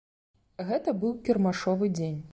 Гэта быў кірмашовы дзень.